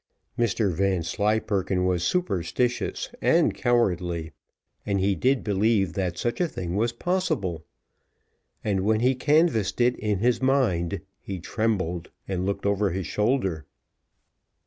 Mr Vanslyperken was superstitious and cowardly, and he did believe that such a thing was possible; and when he canvassed it in his mind, he trembled, and looked over his shoulder.